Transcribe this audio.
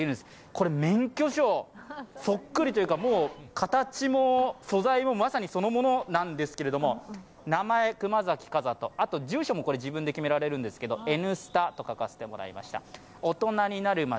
これは免許証そっくりというか、もう形も素材もまさにそのものなんですけれども住所も自分で決められるんですけれども、「Ｎスタ」と書かせてもらいました。